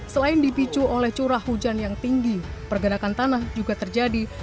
selain dipicu oleh curah hujan yang tinggi pergerakan tanah juga terjadi